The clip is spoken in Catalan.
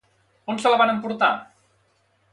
On se la van emportar?